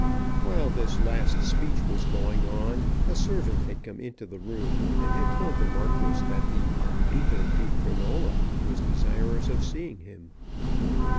While this last speech was going on a servant had come into the room, and had told the Marquis that the "Duca di Crinola" was desirous of seeing him.